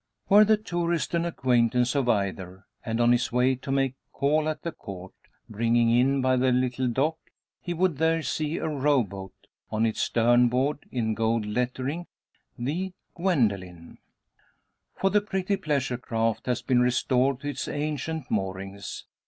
Were the tourist an acquaintance of either, and on his way to make call at the Court, bringing in by the little dock, he would there see a row boat, on its stern board, in gold lettering "The Gwendoline." For the pretty pleasure craft has been restored to its ancient moorings.